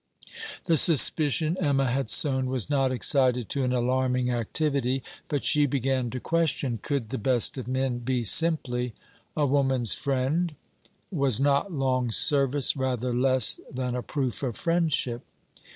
The suspicion Emma had sown was not excited to an alarming activity; but she began to question: could the best of men be simply a woman's friend? was not long service rather less than a proof of friendship?